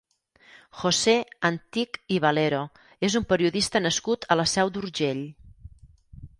José Antich i Valero és un periodista nascut a la Seu d'Urgell.